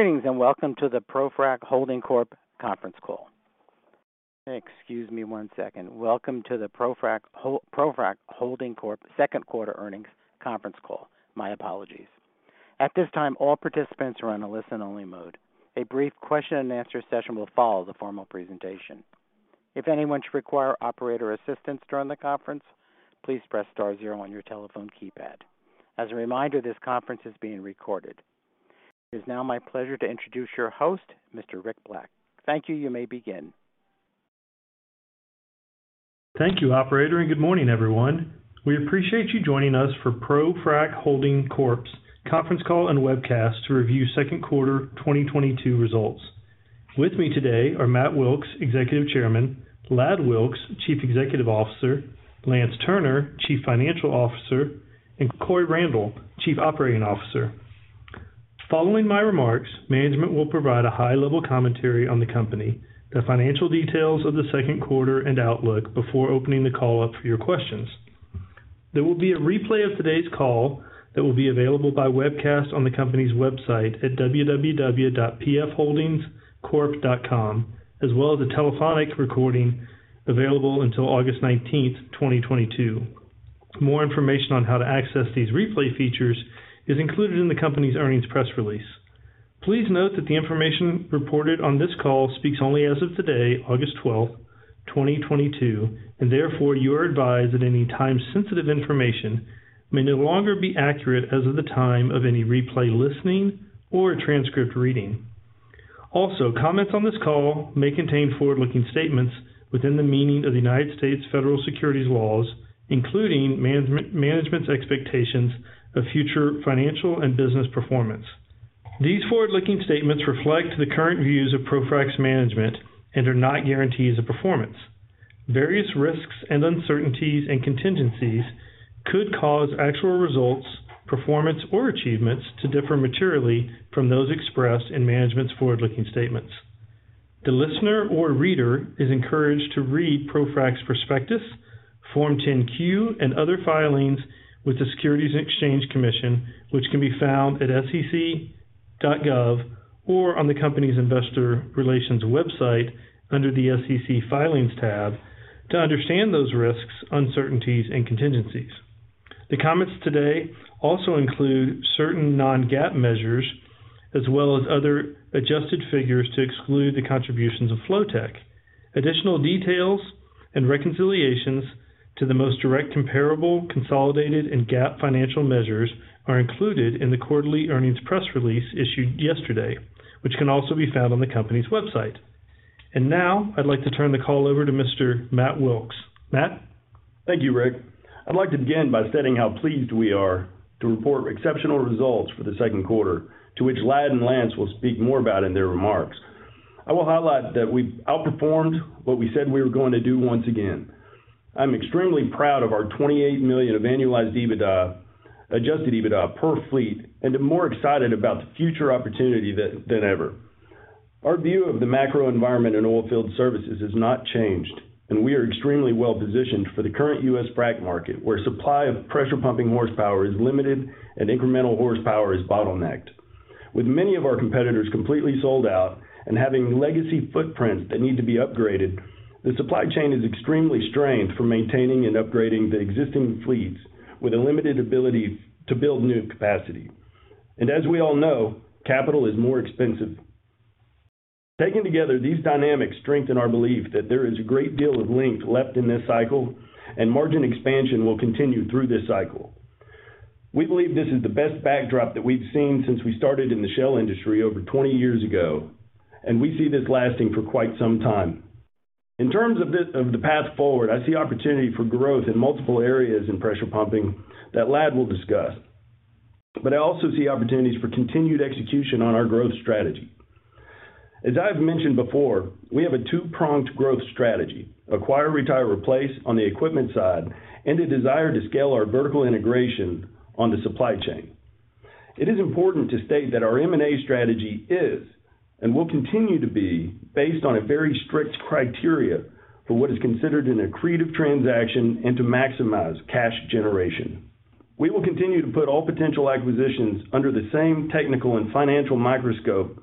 Greetings, and welcome to the ProFrac Holding Corp conference call. Excuse me one second. Welcome to the ProFrac Holding Corp second quarter earnings conference call. My apologies. At this time, all participants are on a listen-only mode. A brief question-and-answer session will follow the formal presentation. If anyone should require operator assistance during the conference, please press star zero on your telephone keypad. As a reminder, this conference is being recorded. It is now my pleasure to introduce your host, Mr. Rick Black. Thank you. You may begin. Thank you, operator, and good morning, everyone. We appreciate you joining us for ProFrac Holding Corp's conference call and webcast to review second quarter 2022 results. With me today are Matt Wilks, Executive Chairman, Ladd Wilks, Chief Executive Officer, Lance Turner, Chief Financial Officer, and Coy Randle, Chief Operating Officer. Following my remarks, management will provide a high-level commentary on the company, the financial details of the second quarter and outlook before opening the call up for your questions. There will be a replay of today's call that will be available by webcast on the company's website at www.PFHoldingsCorp.com, as well as a telephonic recording available until August 19th, 2022. More information on how to access these replay features is included in the company's earnings press release. Please note that the information reported on this call speaks only as of today, August 12th, 2022, and therefore you are advised that any time-sensitive information may no longer be accurate as of the time of any replay listening or transcript reading. Also, comments on this call may contain forward-looking statements within the meaning of the United States federal securities laws, including management's expectations of future financial and business performance. These forward-looking statements reflect the current views of ProFrac's management and are not guarantees of performance. Various risks and uncertainties and contingencies could cause actual results, performance, or achievements to differ materially from those expressed in management's forward-looking statements. The listener or reader is encouraged to read ProFrac's prospectus, Form 10-Q, and other filings with the Securities and Exchange Commission, which can be found at sec.gov or on the company's investor relations website under the SEC Filings tab to understand those risks, uncertainties, and contingencies. The comments today also include certain non-GAAP measures as well as other adjusted figures to exclude the contributions of Flotek. Additional details and reconciliations to the most direct comparable consolidated and GAAP financial measures are included in the quarterly earnings press release issued yesterday, which can also be found on the company's website. Now, I'd like to turn the call over to Mr. Matt Wilks. Matt? Thank you, Rick. I'd like to begin by stating how pleased we are to report exceptional results for the second quarter, to which Ladd and Lance will speak more about in their remarks. I will highlight that we outperformed what we said we were going to do once again. I'm extremely proud of our $28 million of annualized EBITDA, adjusted EBITDA per fleet, and am more excited about the future opportunity than ever. Our view of the macro environment in oilfield services has not changed, and we are extremely well-positioned for the current U.S. Frac market, where supply of pressure pumping horsepower is limited and incremental horsepower is bottlenecked. With many of our competitors completely sold out and having legacy footprints that need to be upgraded, the supply chain is extremely strained for maintaining and upgrading the existing fleets with a limited ability to build new capacity. As we all know, capital is more expensive. Taken together these dynamics strengthen our belief that there is a great deal of length left in this cycle, and margin expansion will continue through this cycle. We believe this is the best backdrop that we've seen since we started in the shale industry over 20 years ago, and we see this lasting for quite some time. In terms of the path forward, I see opportunity for growth in multiple areas in pressure pumping that Ladd will discuss. I also see opportunities for continued execution on our growth strategy. As I've mentioned before, we have a two-pronged growth strategy, acquire, retire, replace on the equipment side and a desire to scale our vertical integration on the supply chain. It is important to state that our M&A strategy is and will continue to be based on a very strict criteria for what is considered an accretive transaction and to maximize cash generation. We will continue to put all potential acquisitions under the same technical and financial microscope.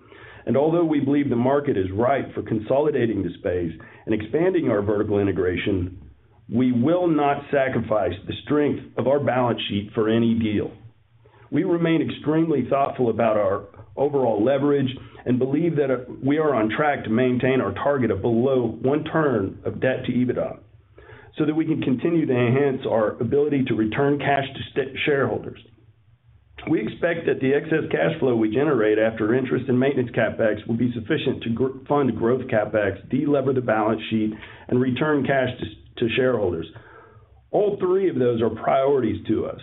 Although we believe the market is ripe for consolidating the space and expanding our vertical integration, we will not sacrifice the strength of our balance sheet for any deal. We remain extremely thoughtful about our overall leverage and believe that we are on track to maintain our target of below one turn of debt to EBITDA so that we can continue to enhance our ability to return cash to shareholders. We expect that the excess cash flow we generate after interest and maintenance CapEx will be sufficient to fund growth CapEx, de-lever the balance sheet, and return cash to shareholders. All three of those are priorities to us.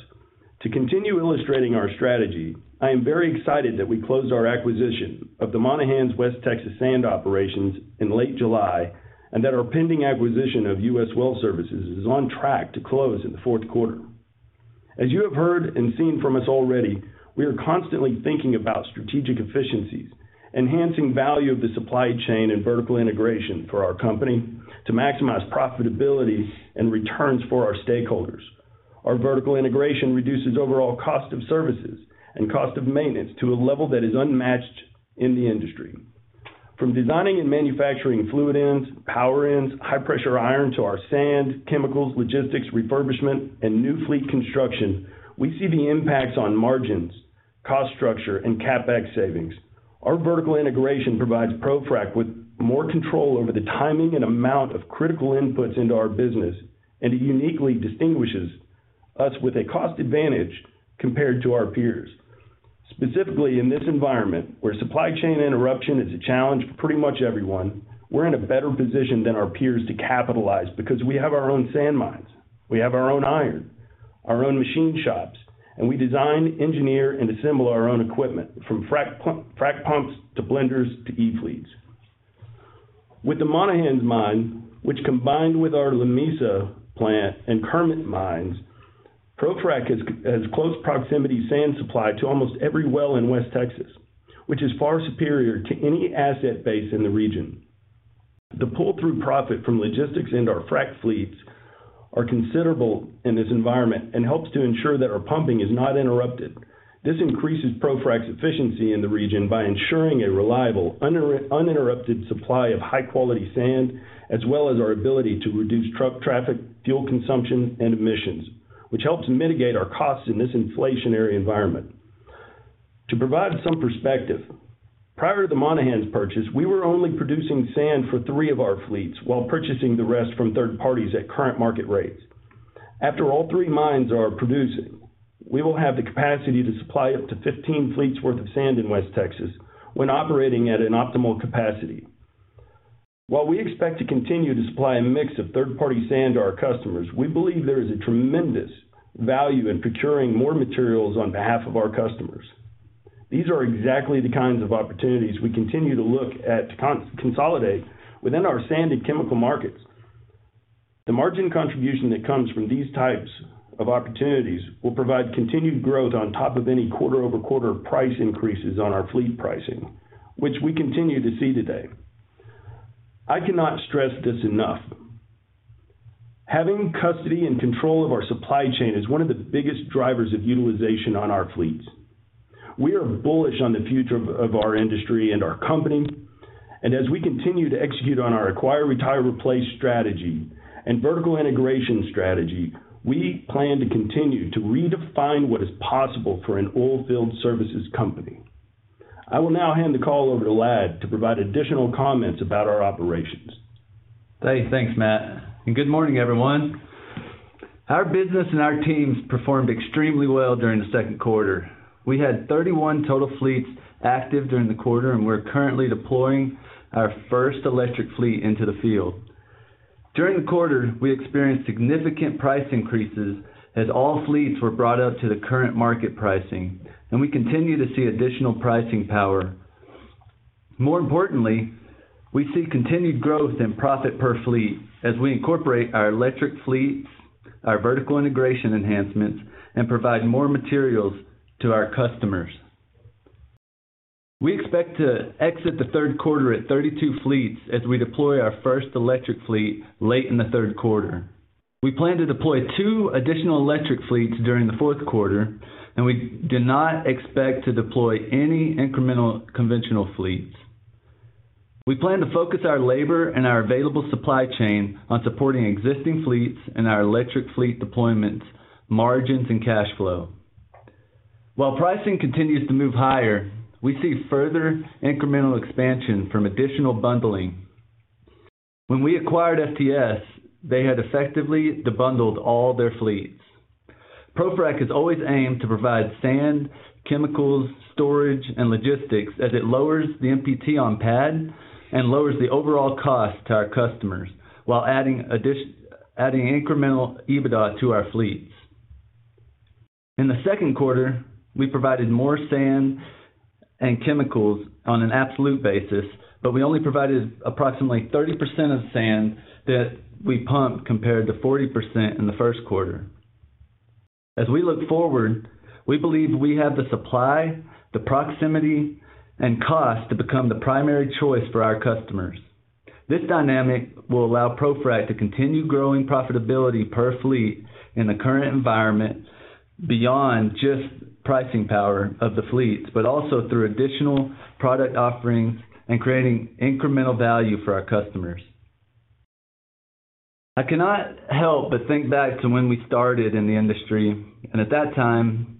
To continue illustrating our strategy, I am very excited that we closed our acquisition of the Monahans West Texas Sand Operations in late July, and that our pending acquisition of U.S. Well Services is on track to close in the fourth quarter. As you have heard and seen from us already, we are constantly thinking about strategic efficiencies, enhancing value of the supply chain and vertical integration for our company to maximize profitability and returns for our stakeholders. Our vertical integration reduces overall cost of services and cost of maintenance to a level that is unmatched in the industry. From designing and manufacturing fluid ends, power ends, high pressure iron to our sand, chemicals, logistics, refurbishment, and new fleet construction, we see the impacts on margins, cost structure and CapEx savings. Our vertical integration provides ProFrac with more control over the timing and amount of critical inputs into our business, and it uniquely distinguishes us with a cost advantage compared to our peers. Specifically, in this environment, where supply chain interruption is a challenge for pretty much everyone, we're in a better position than our peers to capitalize because we have our own sand mines, we have our own iron, our own machine shops, and we design, engineer, and assemble our own equipment from frac pump, frac pumps to blenders to e-fleets. With the Monahans mine, which combined with our Lamesa plant and Kermit mines, ProFrac has close proximity sand supply to almost every well in West Texas, which is far superior to any asset base in the region. The pull-through profit from logistics into our frac fleets are considerable in this environment and helps to ensure that our pumping is not interrupted. This increases ProFrac's efficiency in the region by ensuring a reliable uninterrupted supply of high-quality sand, as well as our ability to reduce truck traffic, fuel consumption and emissions, which helps mitigate our costs in this inflationary environment. To provide some perspective, prior to the Monahans purchase, we were only producing sand for three of our fleets while purchasing the rest from third parties at current market rates. After all three mines are producing, we will have the capacity to supply up to 15 fleets worth of sand in West Texas when operating at an optimal capacity. While we expect to continue to supply a mix of third-party sand to our customers, we believe there is a tremendous value in procuring more materials on behalf of our customers. These are exactly the kinds of opportunities we continue to look at to consolidate within our sand and chemical markets. The margin contribution that comes from these types of opportunities will provide continued growth on top of any quarter-over-quarter price increases on our fleet pricing, which we continue to see today. I cannot stress this enough. Having custody and control of our supply chain is one of the biggest drivers of utilization on our fleets. We are bullish on the future of our industry and our company. As we continue to execute on our acquire, retire, replace strategy and vertical integration strategy, we plan to continue to redefine what is possible for an oilfield services company. I will now hand the call over to Ladd to provide additional comments about our operations. Hey, thanks, Matt. Good morning, everyone. Our business and our teams performed extremely well during the second quarter. We had 31 total fleets active during the quarter, and we're currently deploying our first electric fleet into the field. During the quarter, we experienced significant price increases as all fleets were brought up to the current market pricing, and we continue to see additional pricing power. More importantly, we see continued growth in profit per fleet as we incorporate our electric fleets, our vertical integration enhancements, and provide more materials to our customers. We expect to exit the third quarter at 32 fleets as we deploy our first electric fleet late in the third quarter. We plan to deploy 2 additional electric fleets during the fourth quarter, and we do not expect to deploy any incremental conventional fleets. We plan to focus our labor and our available supply chain on supporting existing fleets and our electric fleet deployments, margins, and cash flow. While pricing continues to move higher, we see further incremental expansion from additional bundling. When we acquired FTS, they had effectively de-bundled all their fleets. ProFrac has always aimed to provide sand, chemicals, storage, and logistics as it lowers the MPT on pad and lowers the overall cost to our customers while adding incremental EBITDA to our fleets. In the second quarter, we provided more sand and chemicals on an absolute basis, but we only provided approximately 30% of sand that we pumped compared to 40% in the first quarter. As we look forward, we believe we have the supply, the proximity, and cost to become the primary choice for our customers. This dynamic will allow ProFrac to continue growing profitability per fleet in the current environment beyond just pricing power of the fleets, but also through additional product offerings and creating incremental value for our customers. I cannot help but think back to when we started in the industry, and at that time,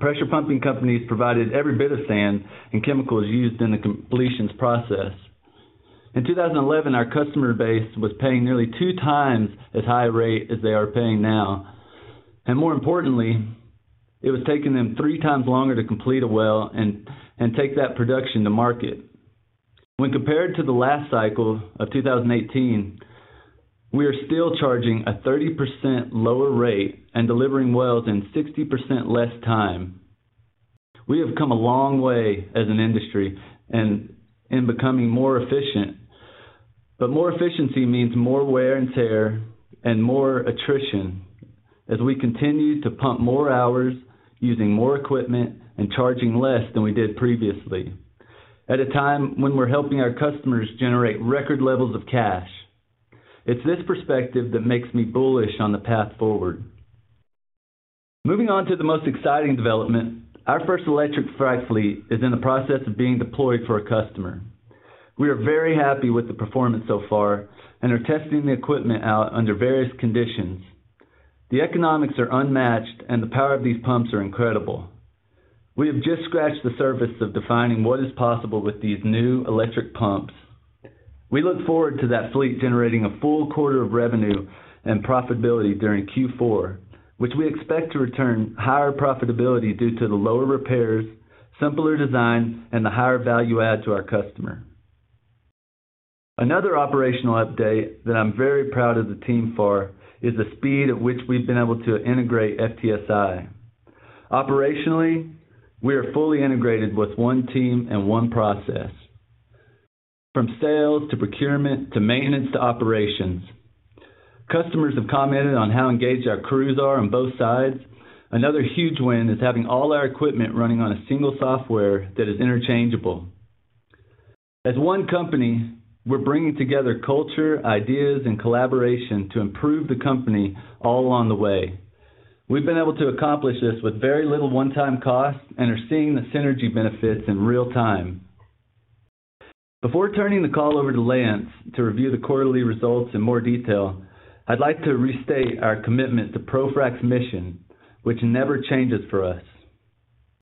pressure pumping companies provided every bit of sand and chemicals used in the completions process. In 2011, our customer base was paying nearly two times as high rate as they are paying now. More importantly, it was taking them three times longer to complete a well and take that production to market. When compared to the last cycle of 2018, we are still charging a 30% lower rate and delivering wells in 60% less time. We have come a long way as an industry and in becoming more efficient. More efficiency means more wear and tear and more attrition as we continue to pump more hours using more equipment and charging less than we did previously. At a time when we're helping our customers generate record levels of cash. It's this perspective that makes me bullish on the path forward. Moving on to the most exciting development, our first electric frac fleet is in the process of being deployed for a customer. We are very happy with the performance so far and are testing the equipment out under various conditions. The economics are unmatched and the power of these pumps are incredible. We have just scratched the surface of defining what is possible with these new electric pumps. We look forward to that fleet generating a full quarter of revenue and profitability during Q4, which we expect to return higher profitability due to the lower repairs, simpler designs, and the higher value add to our customer. Another operational update that I'm very proud of the team for is the speed at which we've been able to integrate FTSI. Operationally, we are fully integrated with one team and one process, from sales to procurement, to maintenance to operations. Customers have commented on how engaged our crews are on both sides. Another huge win is having all our equipment running on a single software that is interchangeable. As one company, we're bringing together culture, ideas, and collaboration to improve the company all along the way. We've been able to accomplish this with very little one-time cost and are seeing the synergy benefits in real time. Before turning the call over to Lance to review the quarterly results in more detail, I'd like to restate our commitment to ProFrac's mission, which never changes for us.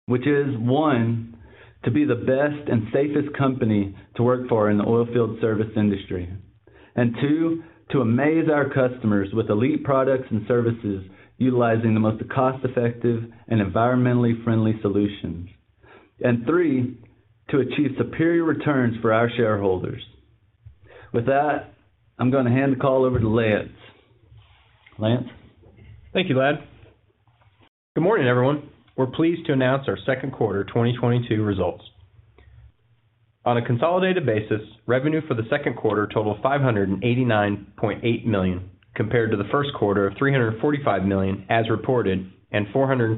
Which is, one, to be the best and safest company to work for in the oilfield service industry. Two, to amaze our customers with elite products and services utilizing the most cost-effective and environmentally friendly solutions. Three, to achieve superior returns for our shareholders. With that, I'm gonna hand the call over to Lance. Lance? Thank you, Ladd. Good morning, everyone. We're pleased to announce our second quarter 2022 results. On a consolidated basis, revenue for the second quarter totaled $589.8 million, compared to the first quarter of $345 million as reported and $421.6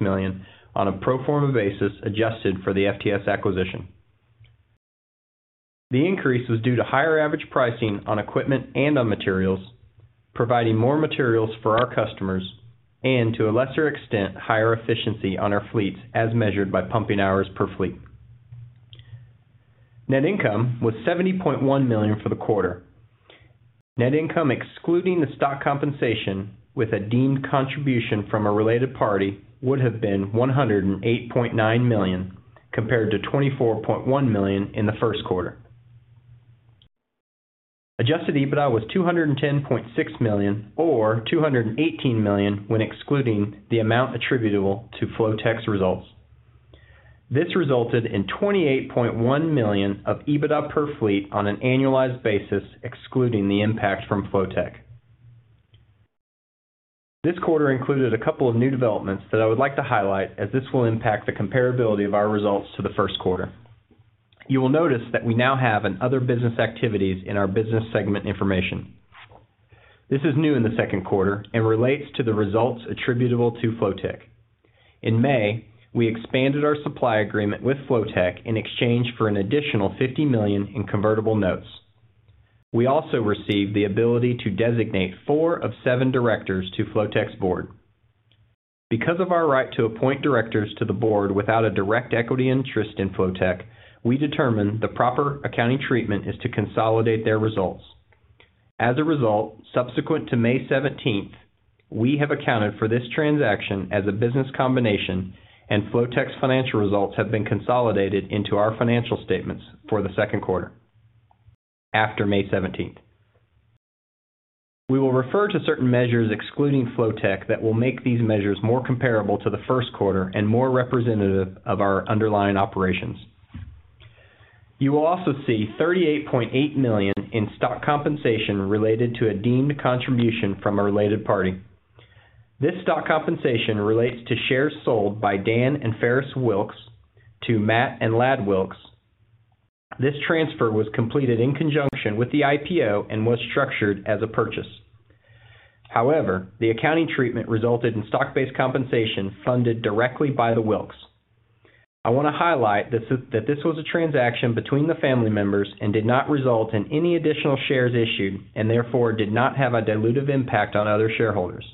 million on a pro forma basis adjusted for the FTS acquisition. The increase was due to higher average pricing on equipment and on materials, providing more materials for our customers and to a lesser extent, higher efficiency on our fleets as measured by pumping hours per fleet. Net income was $70.1 million for the quarter. Net income excluding the stock compensation with a deemed contribution from a related party would have been $108.9 million compared to $24.1 million in the first quarter. Adjusted EBITDA was $210.6 million or $218 million when excluding the amount attributable to Flotek's results. This resulted in $28.1 million of EBITDA per fleet on an annualized basis excluding the impact from Flotek. This quarter included a couple of new developments that I would like to highlight as this will impact the comparability of our results to the first quarter. You will notice that we now have other business activities in our business segment information. This is new in the second quarter and relates to the results attributable to Flotek. In May, we expanded our supply agreement with Flotek in exchange for an additional $50 million in convertible notes. We also received the ability to designate four of seven directors to Flotek's board. Because of our right to appoint directors to the board without a direct equity interest in Flotek, we determined the proper accounting treatment is to consolidate their results. As a result, subsequent to May seventeenth, we have accounted for this transaction as a business combination, and Flotek's financial results have been consolidated into our financial statements for the second quarter after May seventeenth. We will refer to certain measures excluding Flotek that will make these measures more comparable to the first quarter and more representative of our underlying operations. You will also see $38.8 million in stock compensation related to a deemed contribution from a related party. This stock compensation relates to shares sold by Dan Wilks and Farris Wilks to Matt Wilks and Ladd Wilks. This transfer was completed in conjunction with the IPO and was structured as a purchase. However, the accounting treatment resulted in stock-based compensation funded directly by the Wilks. I wanna highlight that this was a transaction between the family members and did not result in any additional shares issued and therefore did not have a dilutive impact on other shareholders.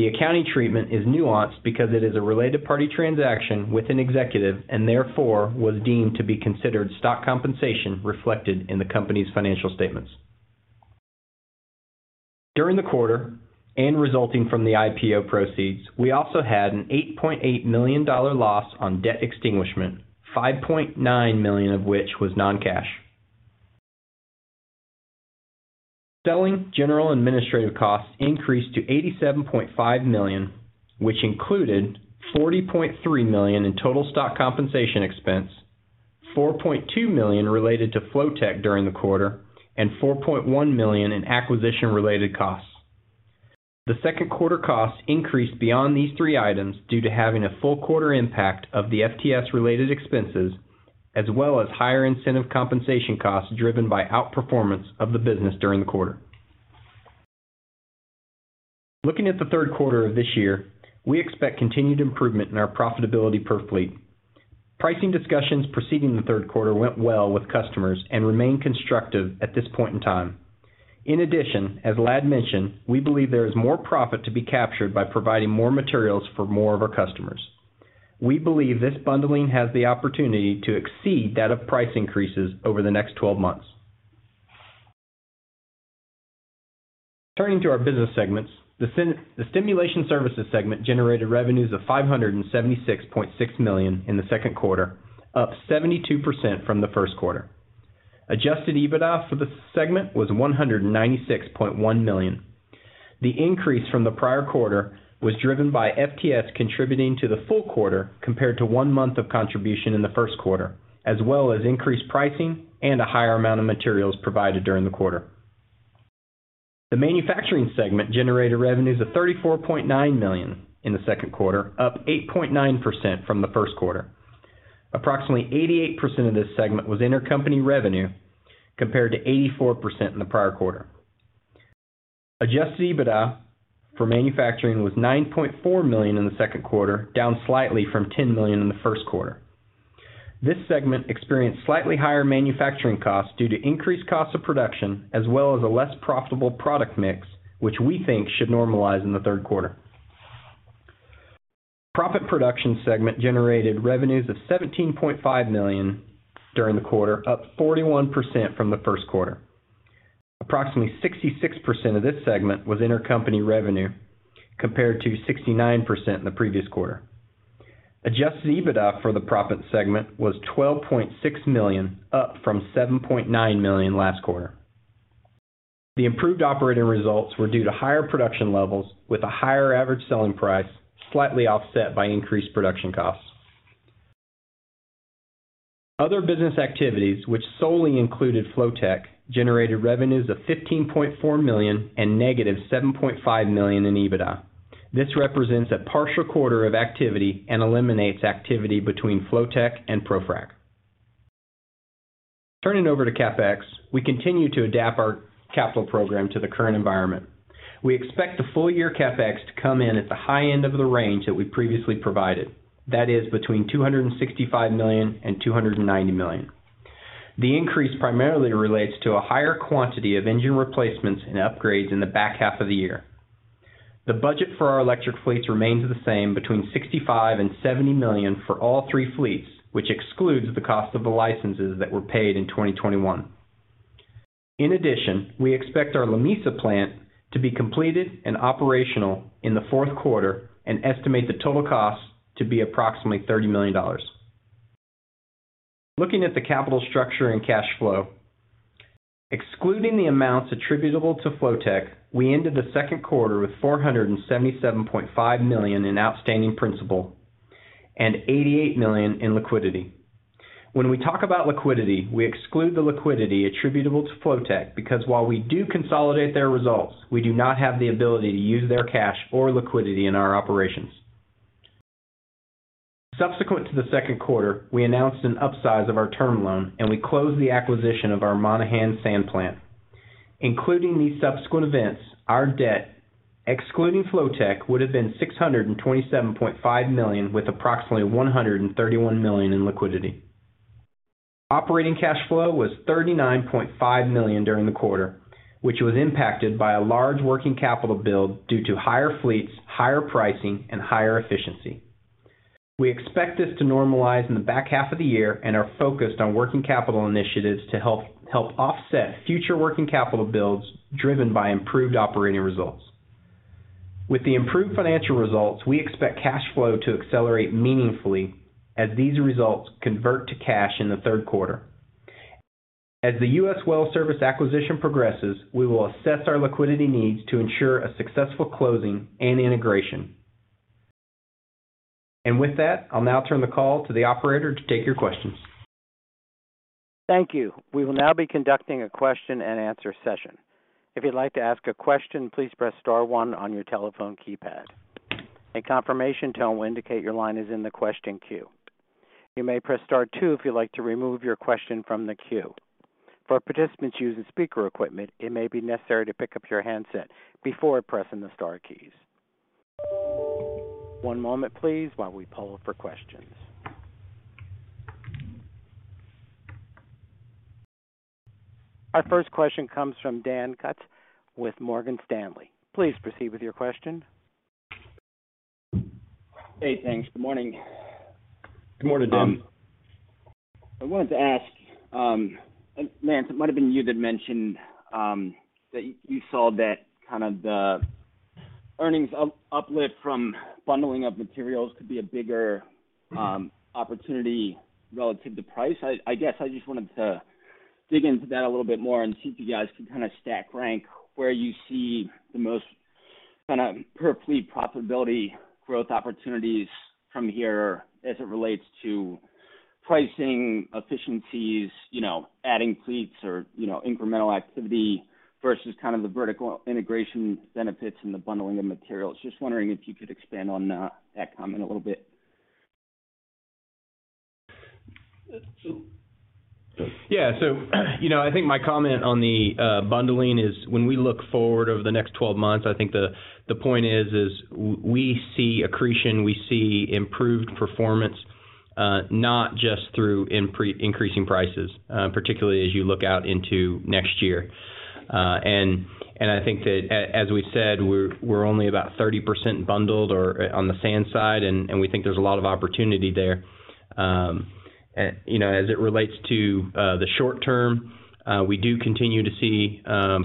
The accounting treatment is nuanced because it is a related party transaction with an executive and therefore was deemed to be considered stock compensation reflected in the company's financial statements. During the quarter and resulting from the IPO proceeds, we also had an $8.8 million loss on debt extinguishment, $5.9 million of which was non-cash. Selling, general, and administrative costs increased to $87.5 million, which included $40.3 million in total stock compensation expense, $4.2 million related to Flotek during the quarter, and $4.1 million in acquisition-related costs. The second quarter costs increased beyond these three items due to having a full quarter impact of the FTS-related expenses as well as higher incentive compensation costs driven by outperformance of the business during the quarter. Looking at the third quarter of this year, we expect continued improvement in our profitability per fleet. Pricing discussions preceding the third quarter went well with customers and remain constructive at this point in time. In addition, as Ladd mentioned, we believe there is more profit to be captured by providing more materials for more of our customers. We believe this bundling has the opportunity to exceed that of price increases over the next twelve months. Turning to our business segments. The Stimulation Services segment generated revenues of $576.6 million in the second quarter, up 72% from the first quarter. Adjusted EBITDA for the Stimulation Services segment was $196.1 million. The increase from the prior quarter was driven by FTS contributing to the full quarter compared to one month of contribution in the first quarter, as well as increased pricing and a higher amount of materials provided during the quarter. The Manufacturing segment generated revenues of $34.9 million in the second quarter, up 8.9% from the first quarter. Approximately 88% of this segment was intercompany revenue, compared to 84% in the prior quarter. Adjusted EBITDA for Manufacturing was $9.4 million in the second quarter, down slightly from $10 million in the first quarter. This segment experienced slightly higher manufacturing costs due to increased cost of production as well as a less profitable product mix, which we think should normalize in the third quarter. Proppant production segment generated revenues of $17.5 million during the quarter, up 41% from the first quarter. Approximately 66% of this segment was intercompany revenue, compared to 69% in the previous quarter. Adjusted EBITDA for the proppant segment was $12.6 million, up from $7.9 million last quarter. The improved operating results were due to higher production levels with a higher average selling price, slightly offset by increased production costs. Other business activities, which solely included Flotek, generated revenues of $15.4 million and -$7.5 million in EBITDA. This represents a partial quarter of activity and eliminates activity between Flotek and ProFrac. Turning over to CapEx, we continue to adapt our capital program to the current environment. We expect the full year CapEx to come in at the high end of the range that we previously provided, that is between $265 million and $290 million. The increase primarily relates to a higher quantity of engine replacements and upgrades in the back half of the year. The budget for our electric fleets remains the same between $65 million and $70 million for all three fleets, which excludes the cost of the licenses that were paid in 2021. In addition, we expect our Lamesa plant to be completed and operational in the fourth quarter and estimate the total cost to be approximately $30 million. Looking at the capital structure and cash flow. Excluding the amounts attributable to Flotek, we ended the second quarter with $477.5 million in outstanding principal and $88 million in liquidity. When we talk about liquidity, we exclude the liquidity attributable to Flotek because while we do consolidate their results, we do not have the ability to use their cash or liquidity in our operations. Subsequent to the second quarter, we announced an upsize of our term loan, and we closed the acquisition of our Monahans sand plant. Including these subsequent events, our debt, excluding Flotek, would have been $627.5 million with approximately $131 million in liquidity. Operating cash flow was $39.5 million during the quarter, which was impacted by a large working capital build due to higher fleets, higher pricing, and higher efficiency. We expect this to normalize in the back half of the year and are focused on working capital initiatives to help offset future working capital builds driven by improved operating results. With the improved financial results, we expect cash flow to accelerate meaningfully as these results convert to cash in the third quarter. As the U.S. Well Services acquisition progresses, we will assess our liquidity needs to ensure a successful closing and integration. With that, I'll now turn the call to the operator to take your questions. Thank you. We will now be conducting a question and answer session. If you'd like to ask a question, please press star one on your telephone keypad. A confirmation tone will indicate your line is in the question queue. You may press star two if you'd like to remove your question from the queue. For participants using speaker equipment, it may be necessary to pick up your handset before pressing the star keys. One moment, please, while we poll for questions. Our first question comes from Dan Kutz with Morgan Stanley. Please proceed with your question. Hey, thanks. Good morning. Good morning, Dan. I wanted to ask, Lance, it might have been you that mentioned that you saw that kinda the earnings uplift from bundling of materials could be a bigger opportunity relative to price. I guess I just wanted to dig into that a little bit more and see if you guys can kinda stack rank where you see the most kinda per fleet profitability growth opportunities from here as it relates to pricing efficiencies, you know, adding fleets or, you know, incremental activity versus kind of the vertical integration benefits and the bundling of materials. Just wondering if you could expand on that comment a little bit. Yeah. You know, I think my comment on the bundling is when we look forward over the next 12 months, I think the point is we see accretion, we see improved performance, not just through increasing prices, particularly as you look out into next year. I think that as we said, we're only about 30% bundled, or on the sand side, and we think there's a lot of opportunity there. You know, as it relates to the short term, we do continue to see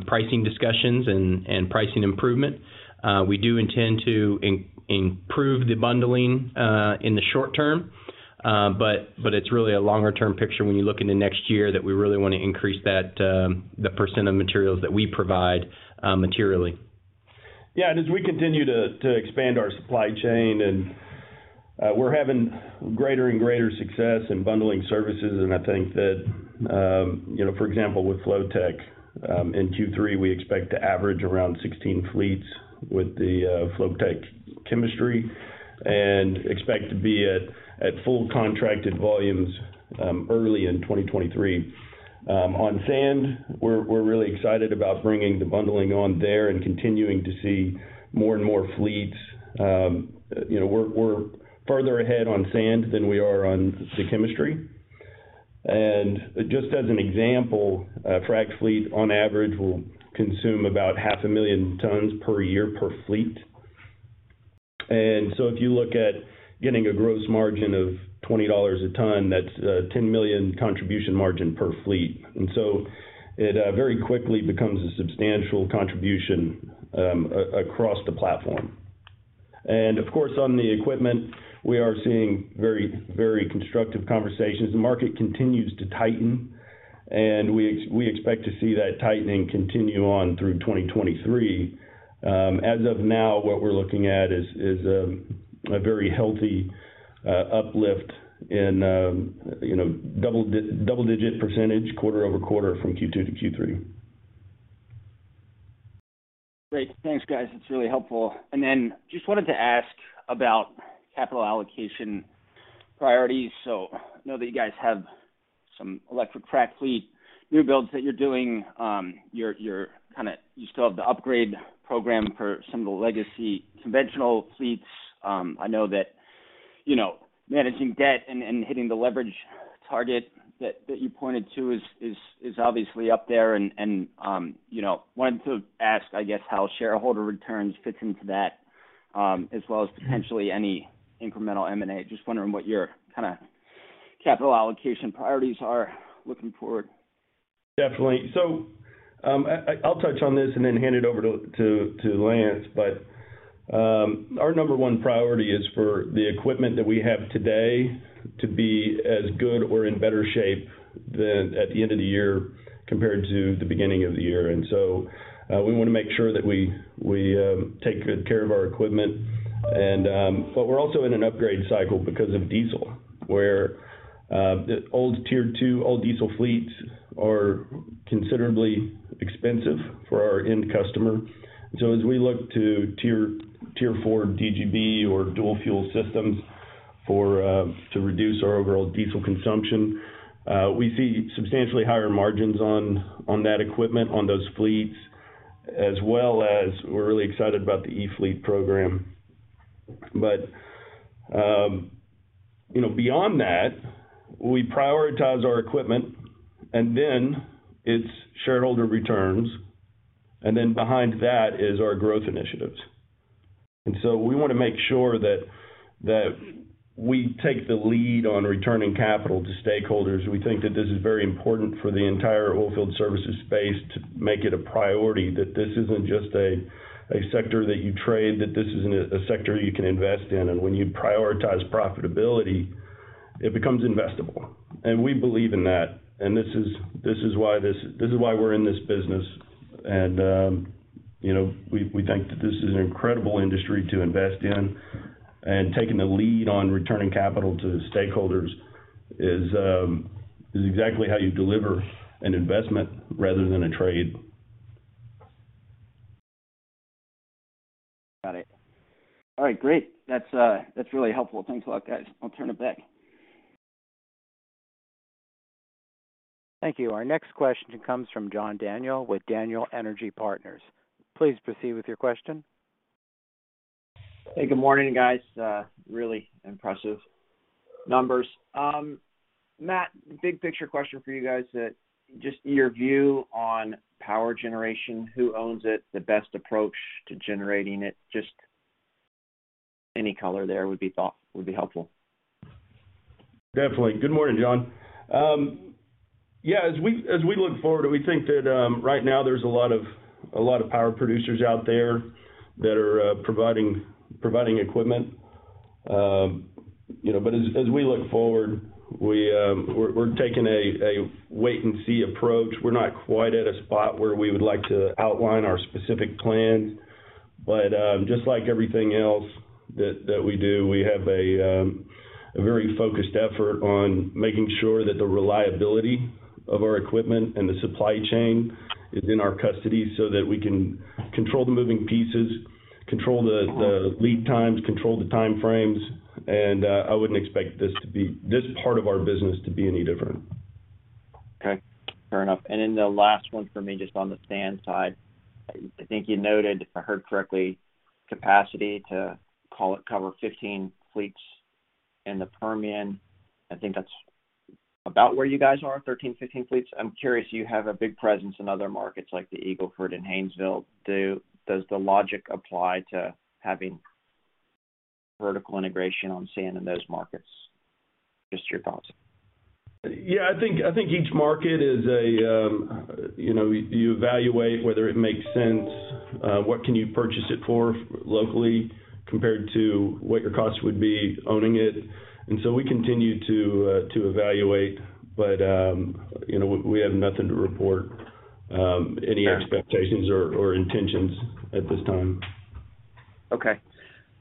pricing discussions and pricing improvement. We do intend to improve the bundling in the short term. It's really a longer term picture when you look into next year that we really wanna increase that, the percent of materials that we provide, materially. Yeah. As we continue to expand our supply chain and we're having greater and greater success in bundling services. I think that, you know, for example, with Flotek, in Q3, we expect to average around 16 fleets with the Flotek chemistry and expect to be at full contracted volumes, early in 2023. On sand, we're really excited about bringing the bundling on there and continuing to see more and more fleets. You know, we're further ahead on sand than we are on the chemistry. Just as an example, a frac fleet on average will consume about 500,000 tons per year per fleet. If you look at getting a gross margin of $20 a ton, that's $10 million contribution margin per fleet. It very quickly becomes a substantial contribution across the platform. Of course, on the equipment, we are seeing very constructive conversations. The market continues to tighten, and we expect to see that tightening continue on through 2023. As of now, what we're looking at is a very healthy uplift in, you know, double-digit percentage quarter-over-quarter from Q2 to Q3. Great. Thanks, guys. That's really helpful. Just wanted to ask about capital allocation priorities. I know that you guys have some electric frac fleet new builds that you're doing. You still have the upgrade program for some of the legacy conventional fleets. I know that managing debt and hitting the leverage target that you pointed to is obviously up there. Wanted to ask, I guess, how shareholder returns fits into that, as well as potentially any incremental M&A. Just wondering what your kinda capital allocation priorities are looking forward. Definitely. I'll touch on this and then hand it over to Lance. Our number one priority is for the equipment that we have today to be as good or in better shape than at the end of the year compared to the beginning of the year. We wanna make sure that we take good care of our equipment. We're also in an upgrade cycle because of diesel, where old Tier 2, old diesel fleets are considerably expensive for our end customer. As we look to Tier 4 DGB or dual fuel systems to reduce our overall diesel consumption, we see substantially higher margins on that equipment, on those fleets, as well as we're really excited about the e-fleet program. You know, beyond that, we prioritize our equipment and then it's shareholder returns, and then behind that is our growth initiatives. We wanna make sure that we take the lead on returning capital to stakeholders. We think that this is very important for the entire oilfield services space to make it a priority, that this isn't just a sector that you trade, that this isn't a sector you can invest in. When you prioritize profitability, it becomes investable. We believe in that. This is why we're in this business. You know, we think that this is an incredible industry to invest in. Taking the lead on returning capital to the stakeholders is exactly how you deliver an investment rather than a trade. Got it. All right, great. That's that's really helpful. Thanks a lot, guys. I'll turn it back. Thank you. Our next question comes from John Daniel with Daniel Energy Partners. Please proceed with your question. Hey, good morning, guys. Really impressive numbers. Matt, big picture question for you guys that just your view on power generation, who owns it, the best approach to generating it. Just any color there would be helpful. Definitely. Good morning, John. Yeah, as we look forward, we think that right now there's a lot of power producers out there that are providing equipment. You know, but as we look forward, we're taking a wait and see approach. We're not quite at a spot where we would like to outline our specific plans, but just like everything else that we do, we have a very focused effort on making sure that the reliability of our equipment and the supply chain is in our custody so that we can control the moving pieces, control the lead times, control the time frames. I wouldn't expect this part of our business to be any different. Okay. Fair enough. Then the last one for me, just on the sand side. I think you noted, if I heard correctly, capacity to call it cover 15 fleets in the Permian. I think that's about where you guys are, 13, 15 fleets. I'm curious, you have a big presence in other markets like the Eagle Ford and Haynesville. Does the logic apply to having vertical integration on sand in those markets? Just your thoughts. Yeah, I think each market is, you know, you evaluate whether it makes sense, what can you purchase it for locally compared to what your cost would be owning it. We continue to evaluate. You know, we have nothing to report, any expectations or intentions at this time. Okay.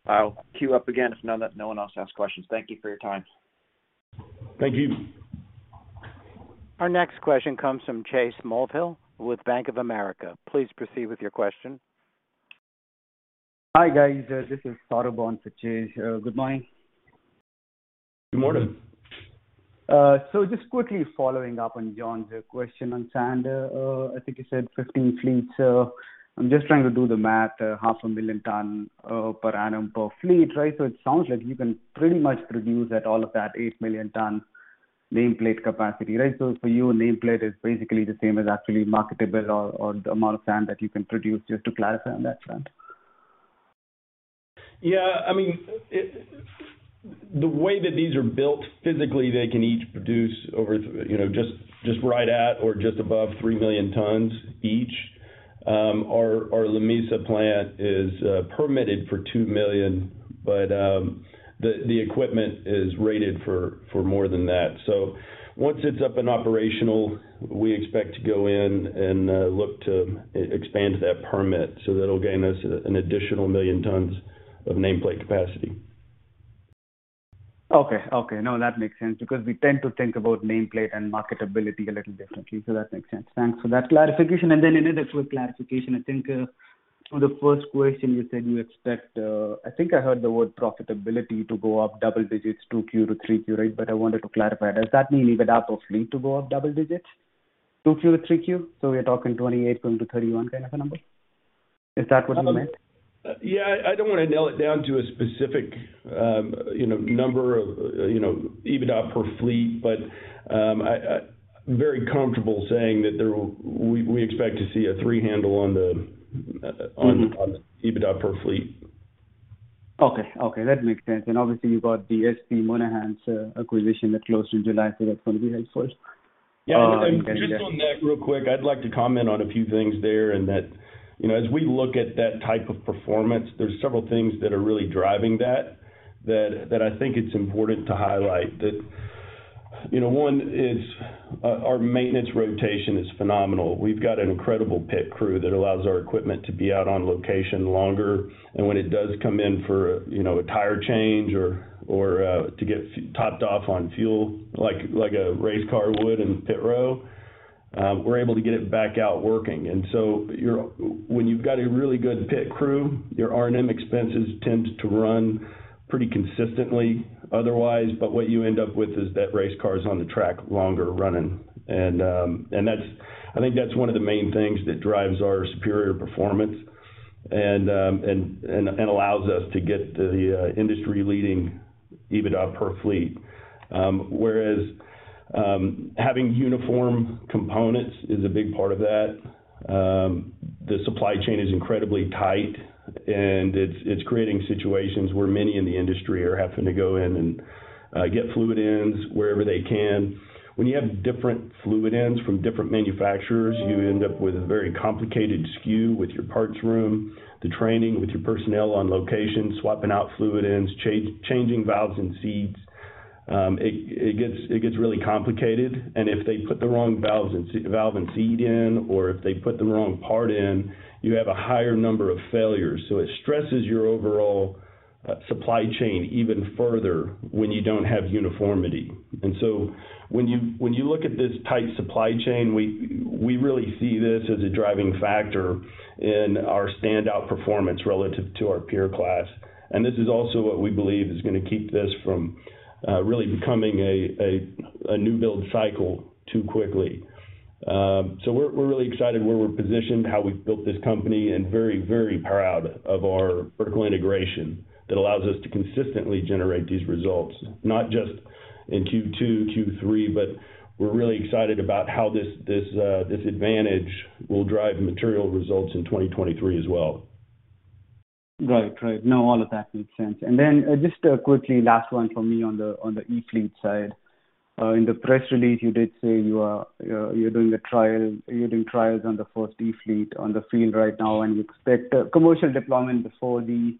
I'll queue up again if no one else asks questions. Thank you for your time. Thank you. Our next question comes from Chase Mulvehill with Bank of America. Please proceed with your question. Hi, guys. This is Saurabh on for Chase. Good morning. Good morning. Just quickly following up on John's question on sand. I think you said 15 fleets. I'm just trying to do the math. 500,000 tons per annum per fleet, right? It sounds like you can pretty much produce at all of that 8 million tons nameplate capacity, right? For you, nameplate is basically the same as actually marketable or the amount of sand that you can produce, just to clarify on that front. Yeah. I mean, the way that these are built physically, they can each produce over, you know, just right at or just above 3 million tons each. Our Lamesa plant is permitted for 2 million, but the equipment is rated for more than that. Once it's up and operational, we expect to go in and look to expand that permit, so that'll gain us an additional 1 million tons of nameplate capacity. Okay. No, that makes sense because we tend to think about nameplate and marketability a little differently. That makes sense. Thanks for that clarification. Another quick clarification. I think on the first question you said you expect, I think I heard the word profitability to go up double digits two Q to three Q, right? I wanted to clarify. Does that mean EBITDA per fleet to go up double digits, two Q to three Q? We're talking 28 going to 31 kind of a number? Is that what you meant? Yeah, I don't wanna nail it down to a specific, you know, number of, you know, EBITDA per fleet. I'm very comfortable saying that we expect to see a three handle on the Mm-hmm on EBITDA per fleet. Okay, that makes sense. Obviously you've got the SP Monahans acquisition that closed in July, so that's gonna be helpful. Yeah. Just on that real quick, I'd like to comment on a few things there and that, you know, as we look at that type of performance, there's several things that are really driving that I think it's important to highlight. You know, one is our maintenance rotation is phenomenal. We've got an incredible pit crew that allows our equipment to be out on location longer. When it does come in for, you know, a tire change or to get topped off on fuel, like a race car would in pit row, we're able to get it back out working. When you've got a really good pit crew, your R&M expenses tend to run pretty consistently otherwise. What you end up with is that race car's on the track longer running. I think that's one of the main things that drives our superior performance and allows us to get the industry-leading EBITDA per fleet. Whereas having uniform components is a big part of that. The supply chain is incredibly tight, and it's creating situations where many in the industry are having to go in and get fluid ends wherever they can. When you have different fluid ends from different manufacturers, you end up with a very complicated SKU with your parts room, the training with your personnel on location, swapping out fluid ends, changing valves and seats. It gets really complicated. If they put the wrong valve and seat in, or if they put the wrong part in, you have a higher number of failures. It stresses your overall supply chain even further when you don't have uniformity. When you look at this tight supply chain, we really see this as a driving factor in our standout performance relative to our peer class. This is also what we believe is gonna keep this from really becoming a new build cycle too quickly. We're really excited where we're positioned, how we've built this company, and very proud of our vertical integration that allows us to consistently generate these results, not just in Q2, Q3, but we're really excited about how this advantage will drive material results in 2023 as well. Right. No, all of that makes sense. Then just quickly last one for me on the e-fleet side. In the press release, you did say you're doing trials on the first e-fleet on the field right now, and you expect commercial deployment before the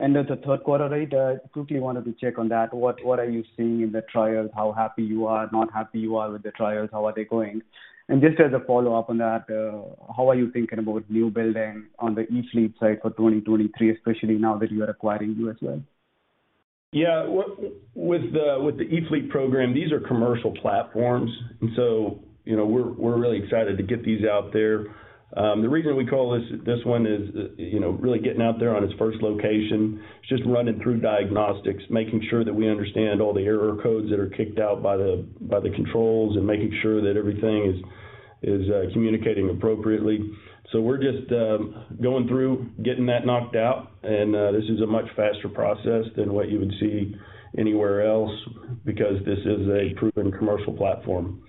end of the third quarter, right? Quickly wanted to check on that. What are you seeing in the trials? How happy are you with the trials? How are they going? Just as a follow-up on that, how are you thinking about new builds on the e-fleet side for 2023, especially now that you are acquiring U.S. Well Services? Yeah. With the eFleet program, these are commercial platforms, and you know, we're really excited to get these out there. The reason we call this one is you know, really getting out there on its first location. It's just running through diagnostics, making sure that we understand all the error codes that are kicked out by the controls, and making sure that everything is communicating appropriately. We're just going through, getting that knocked out, and this is a much faster process than what you would see anywhere else because this is a proven commercial platform.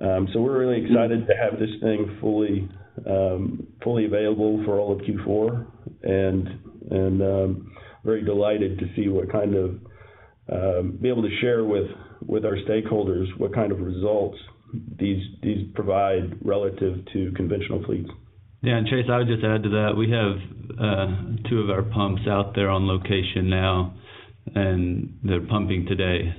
We're really excited to have this thing fully available for all of Q4, and very delighted to see what kind of. Be able to share with our stakeholders what kind of results these provide relative to conventional fleets. Yeah. Chase, I would just add to that, we have two of our pumps out there on location now, and they're pumping today.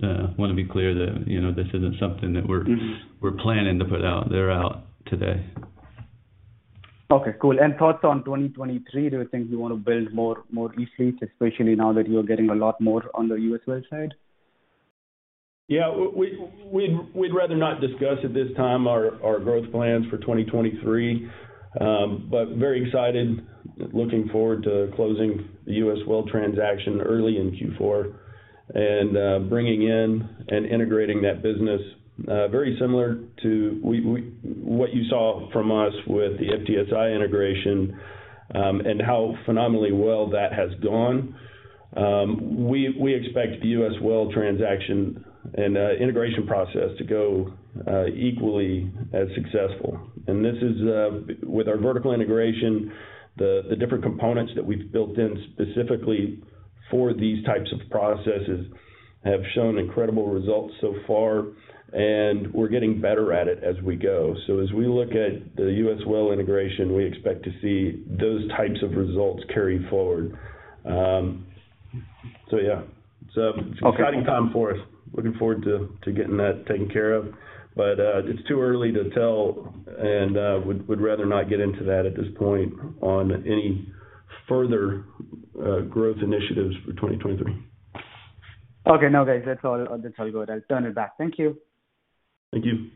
Want to be clear that, you know, this isn't something that we're Mm-hmm we're planning to put out. They're out today. Okay. Cool. Thoughts on 2023. Do you think you wanna build more eFleet, especially now that you are getting a lot more on the U.S. Well side? Yeah. We'd rather not discuss at this time our growth plans for 2023. Very excited, looking forward to closing the U.S. Well Services transaction early in Q4, and bringing in and integrating that business, very similar to what you saw from us with the FTSI integration, and how phenomenally well that has gone. We expect the U.S. Well Services transaction and integration process to go equally as successful. This is with our vertical integration, the different components that we've built in specifically for these types of processes have shown incredible results so far, and we're getting better at it as we go. As we look at the U.S. Well Services integration, we expect to see those types of results carry forward. Yeah. Okay. Exciting time for us. Looking forward to getting that taken care of. It's too early to tell, and would rather not get into that at this point on any further growth initiatives for 2023. Okay. No, guys, that's all. That's all good. I'll turn it back. Thank you. Thank you.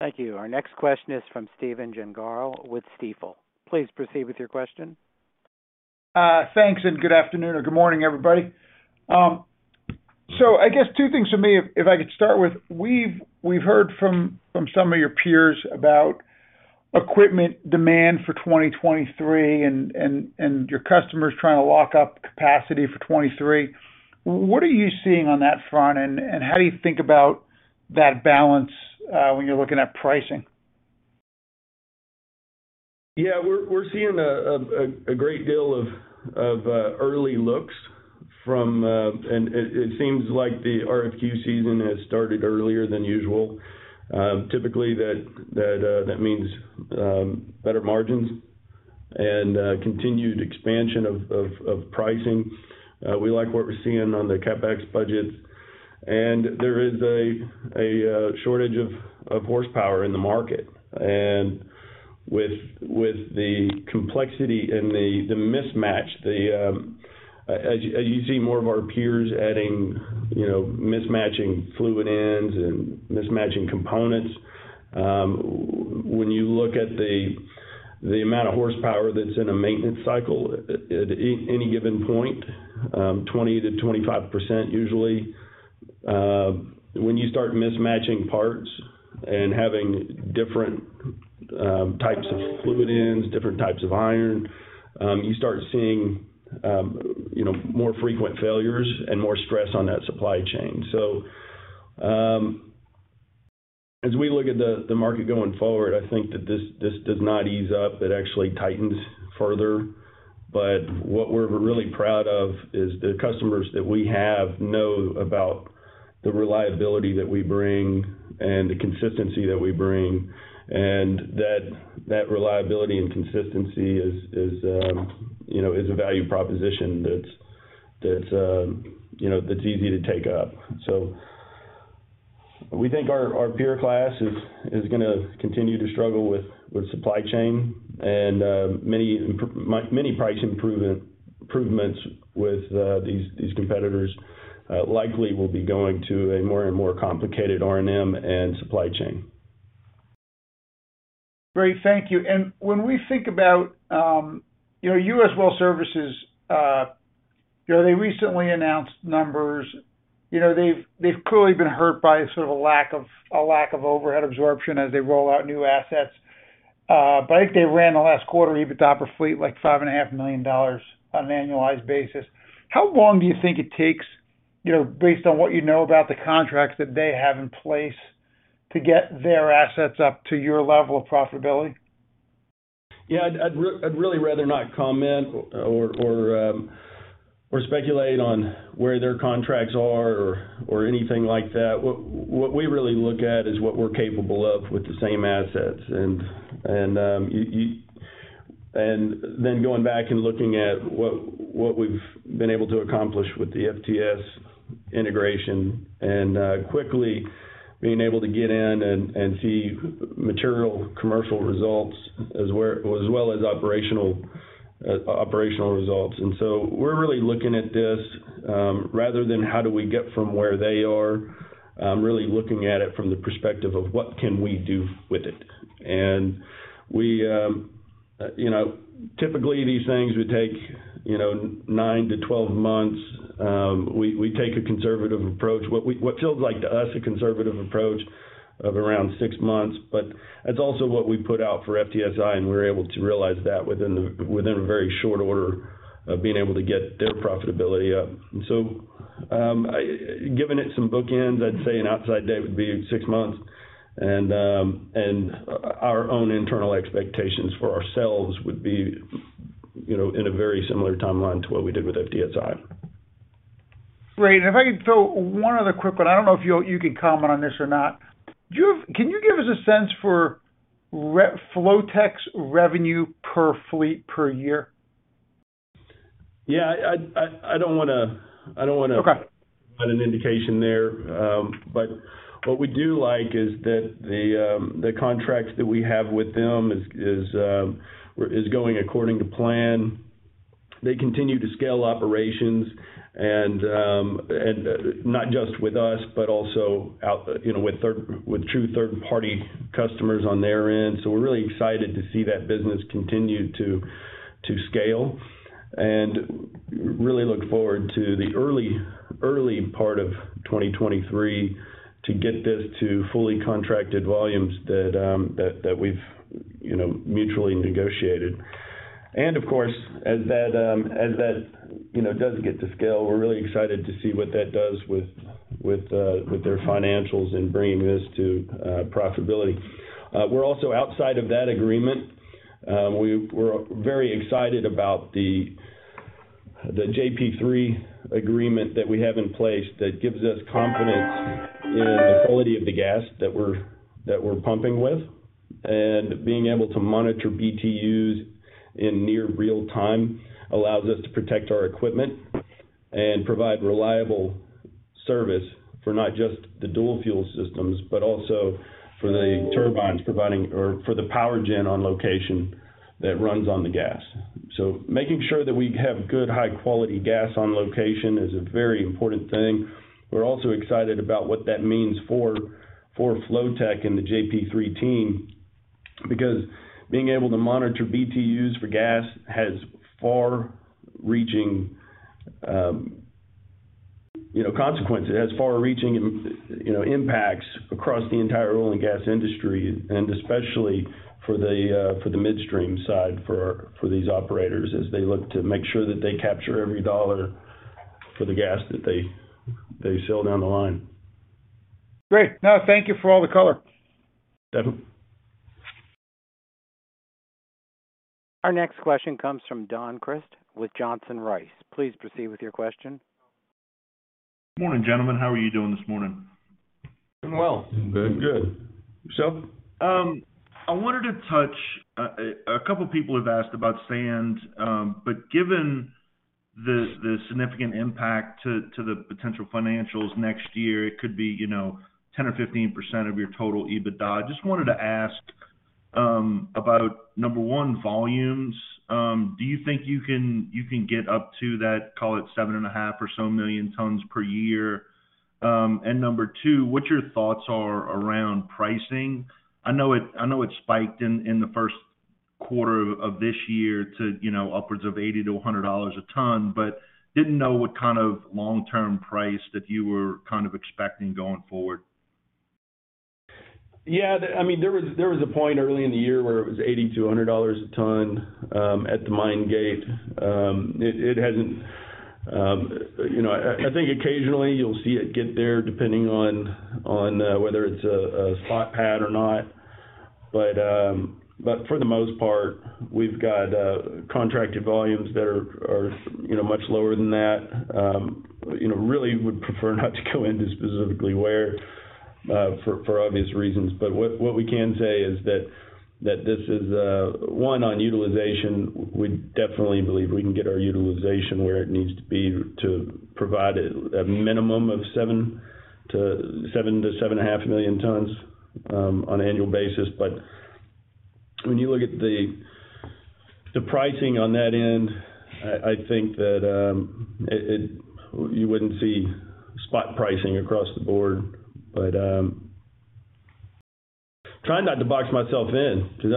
Thank you. Our next question is from Stephen Gengaro with Stifel. Please proceed with your question. Thanks, and good afternoon or good morning, everybody. I guess two things for me if I could start with. We've heard from some of your peers about equipment demand for 2023 and your customers trying to lock up capacity for 2023. What are you seeing on that front, and how do you think about that balance when you're looking at pricing? We're seeing a great deal of early looks from and it seems like the RFQ season has started earlier than usual. Typically that means better margins and continued expansion of pricing. We like what we're seeing on the CapEx budgets. There is a shortage of horsepower in the market. With the complexity and the mismatch, the As you see more of our peers adding, you know, mismatching fluid ends and mismatching components, when you look at the amount of horsepower that's in a maintenance cycle at any given point, 20%-25% usually, when you start mismatching parts and having different types of fluid ends, different types of iron, you start seeing, you know, more frequent failures and more stress on that supply chain. As we look at the market going forward, I think that this does not ease up. It actually tightens further. What we're really proud of is the customers that we have who know about the reliability that we bring and the consistency that we bring, and that reliability and consistency is a value proposition that's easy to take up. We think our peer class is gonna continue to struggle with supply chain and many price improvements with these competitors likely will be going to a more and more complicated R&M and supply chain. Great. Thank you. When we think about, you know, U.S. Well Services, you know, they recently announced numbers. You know, they've clearly been hurt by sort of a lack of overhead absorption as they roll out new assets. But I think they ran the last quarter EBITDA per fleet, like $5.5 million on an annualized basis. How long do you think it takes, you know, based on what you know about the contracts that they have in place, to get their assets up to your level of profitability? Yeah. I'd really rather not comment or speculate on where their contracts are or anything like that. What we really look at is what we're capable of with the same assets. Then going back and looking at what we've been able to accomplish with the FTS integration and quickly being able to get in and see material commercial results as well as operational results. We're really looking at this rather than how do we get from where they are, really looking at it from the perspective of what can we do with it. We, you know, typically these things would take, you know, 9-12 months. We take a conservative approach. What feels like to us a conservative approach of around 6 months, but that's also what we put out for FTSI, and we were able to realize that within a very short order of being able to get their profitability up. Giving it some bookends, I'd say an outside date would be 6 months. Our own internal expectations for ourselves would be, you know, in a very similar timeline to what we did with FTSI. Great. If I could throw one other quick one. I don't know if you can comment on this or not. Can you give us a sense for Flotek's revenue per fleet per year? Yeah, I don't wanna. Okay Put an indication there. What we do like is that the contracts that we have with them is going according to plan. They continue to scale operations and not just with us, but also out, you know, with true third-party customers on their end. We're really excited to see that business continue to scale and really look forward to the early part of 2023 to get this to fully contracted volumes that we've, you know, mutually negotiated. Of course, as that, you know, does get to scale, we're really excited to see what that does with their financials in bringing this to profitability. We're also outside of that agreement. We're very excited about the JP3 agreement that we have in place that gives us confidence in the quality of the gas that we're pumping with. Being able to monitor BTUs in near real time allows us to protect our equipment and provide reliable service for not just the dual fuel systems, but also for the turbines for the power gen on location that runs on the gas. Making sure that we have good, high quality gas on location is a very important thing. We're also excited about what that means for Flotek and the JP3 team, because being able to monitor BTUs for gas has far reaching, you know, consequences. It has far-reaching, you know, impacts across the entire oil and gas industry, and especially for the midstream side for these operators as they look to make sure that they capture every dollar for the gas that they sell down the line. Great. No, thank you for all the color. Definitely. Our next question comes from Don Crist with Johnson Rice. Please proceed with your question. Morning, gentlemen. How are you doing this morning? Doing well. Good. Good. Yourself? I wanted to touch a couple of people have asked about sand, but given the significant impact to the potential financials next year, it could be, you know, 10% or 15% of your total EBITDA. I just wanted to ask about number one, volumes. Do you think you can get up to that, call it 7.5 or so million tons per year? And number two, what your thoughts are around pricing. I know it spiked in the first quarter of this year to, you know, upwards of $80-$100 a ton, but didn't know what kind of long-term price that you were kind of expecting going forward. Yeah, I mean, there was a point early in the year where it was $80-$100 a ton at the mine gate. It hasn't. You know, I think occasionally you'll see it get there depending on whether it's a spot pad or not. But for the most part, we've got contracted volumes that are, you know, much lower than that. You know, really would prefer not to go into specifically where for obvious reasons. But what we can say is that this is one on utilization. We definitely believe we can get our utilization where it needs to be to provide a minimum of 7-7.5 million tons on an annual basis. When you look at the pricing on that end, I think that you wouldn't see spot pricing across the board. Trying not to box myself in because,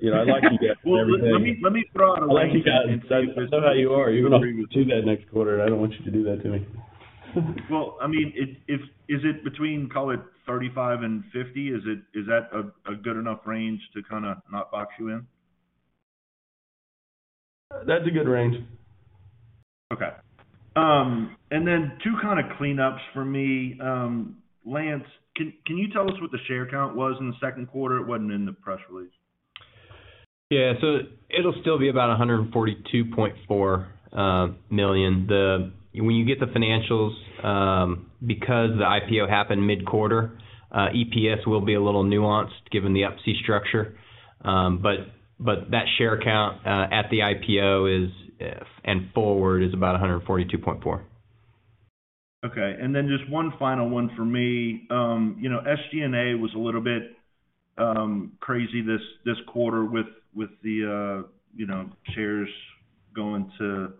you know, I like you guys and everything. Well, let me throw out a range and see if I can agree with you. I like you guys. I know how you are. You're gonna do that next quarter, and I don't want you to do that to me. Well, I mean, is it between, call it 35 and 50? Is that a good enough range to kinda not box you in? That's a good range. Okay. Two kinda cleanups for me. Lance, can you tell us what the share count was in the second quarter? It wasn't in the press release. Yeah. It'll still be about $142.4 million. When you get the financials, because the IPO happened mid-quarter, EPS will be a little nuanced given the Up-C structure. That share count at the IPO and forward is about 142.4. Okay. Just one final one for me. You know, SG&A was a little bit crazy this quarter with the you know shares going to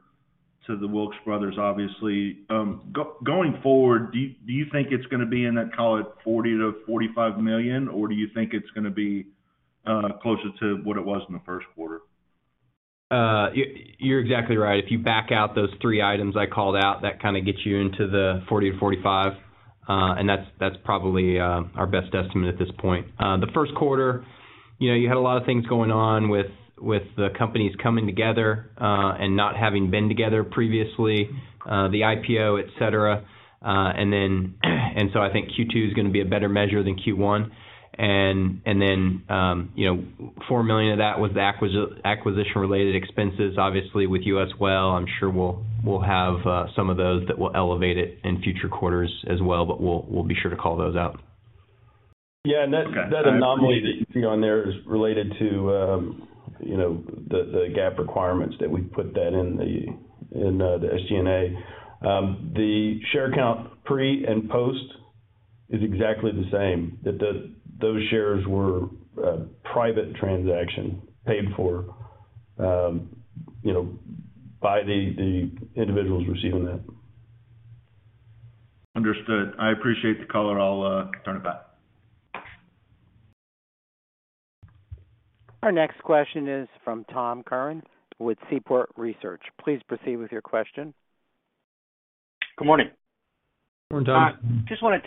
the Wilks brothers, obviously. Going forward, do you think it's gonna be in that, call it $40 million-$45 million, or do you think it's gonna be closer to what it was in the first quarter? You're exactly right. If you back out those three items I called out, that kind of gets you into the 40%-45%. That's probably our best estimate at this point. The first quarter, you know, you had a lot of things going on with the companies coming together, and not having been together previously, the IPO, et cetera. I think Q2 is gonna be a better measure than Q1. You know, $4 million of that was the acquisition-related expenses, obviously, with U.S. Well Services. I'm sure we'll have some of those that will elevate it in future quarters as well, but we'll be sure to call those out. Yeah. Okay. That anomaly that you see on there is related to the GAAP requirements that we put that in the SG&A. The share count pre and post is exactly the same. Those shares were a private transaction paid for by the individuals receiving that. Understood. I appreciate the color. I'll turn it back. Our next question is from Tom Curran with Seaport Research. Please proceed with your question. Good morning. Good morning, Tom. Just wanted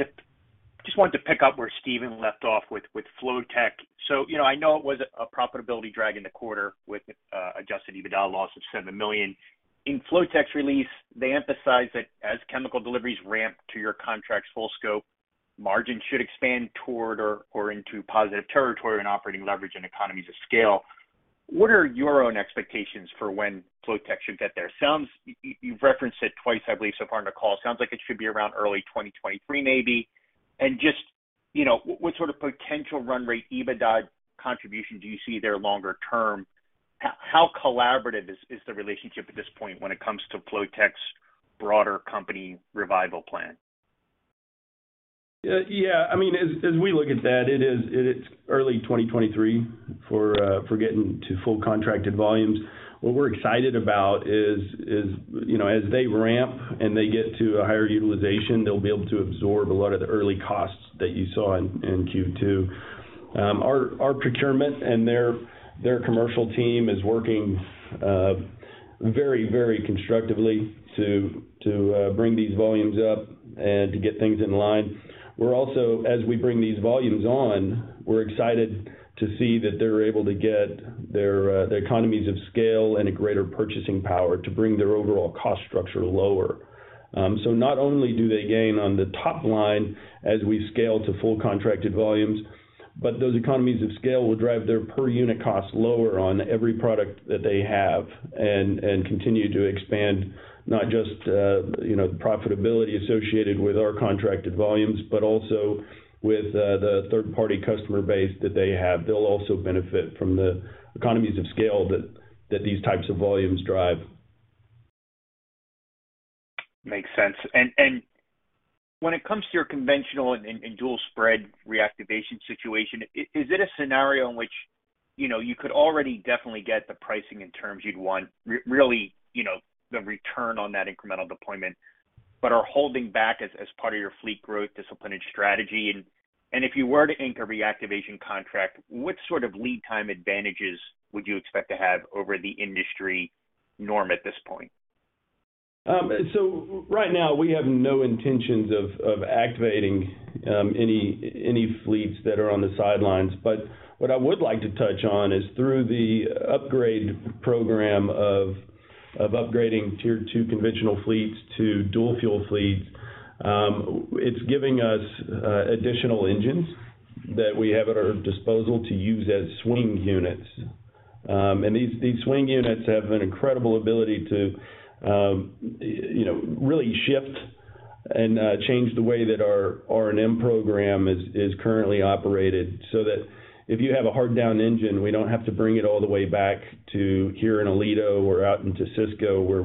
to pick up where Stephen left off with Flotek. You know, I know it was a profitability drag in the quarter with adjusted EBITDA loss of $7 million. In Flotek's release, they emphasize that as chemical deliveries ramp to your contract's full scope, margins should expand toward or into positive territory and operating leverage and economies of scale. What are your own expectations for when Flotek should get there? You've referenced it twice, I believe, so far in the call. Sounds like it should be around early 2023 maybe. Just, you know, what sort of potential run rate EBITDA contribution do you see there longer term? How collaborative is the relationship at this point when it comes to Flotek's broader company revival plan? Yeah. I mean, as we look at that, it is early 2023 for getting to full contracted volumes. What we're excited about is, you know, as they ramp and they get to a higher utilization, they'll be able to absorb a lot of the early costs that you saw in Q2. Our procurement and their commercial team is working very constructively to bring these volumes up and to get things in line. We're also, as we bring these volumes on, we're excited to see that they're able to get their economies of scale and a greater purchasing power to bring their overall cost structure lower. Not only do they gain on the top line as we scale to full contracted volumes, but those economies of scale will drive their per unit cost lower on every product that they have and continue to expand not just the profitability associated with our contracted volumes, but also with the third-party customer base that they have. They'll also benefit from the economies of scale that these types of volumes drive. Makes sense. When it comes to your conventional and dual spread reactivation situation, is it a scenario in which, you know, you could already definitely get the pricing and terms you'd want really, you know, the return on that incremental deployment, but are holding back as part of your fleet growth discipline and strategy? If you were to ink a reactivation contract, what sort of lead time advantages would you expect to have over the industry norm at this point? Right now, we have no intentions of activating any fleets that are on the sidelines. What I would like to touch on is through the upgrade program of upgrading Tier 2 conventional fleets to dual fuel fleets, it's giving us additional engines that we have at our disposal to use as swing units. These swing units have an incredible ability to you know really shift and change the way that our R&M program is currently operated, so that if you have a hard down engine, we don't have to bring it all the way back to here in Aledo or out into Cisco, where